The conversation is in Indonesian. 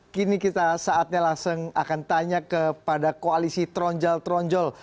kini kita saatnya langsung akan tanya kepada koalisi tronjol tronjol